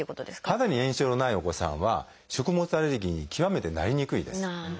肌に炎症のないお子さんは食物アレルギーに極めてなりにくいです。